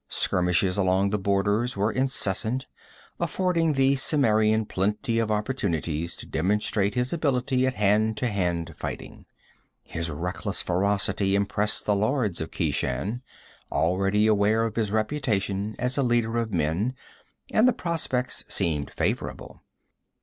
Skirmishes along the borders were incessant, affording the Cimmerian plenty of opportunities to demonstrate his ability at hand to hand fighting. His reckless ferocity impressed the lords of Keshan, already aware of his reputation as a leader of men, and the prospects seemed favorable.